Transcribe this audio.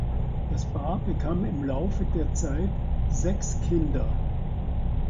Das Paar bekam im Laufe der Zeit sechs Kinder.